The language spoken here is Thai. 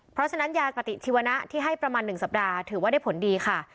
เพราะฉะนั้นยากติชีวนะที่ให้ประมาณ๑สัปดาห์ถือว่าได้ผลดีค่ะ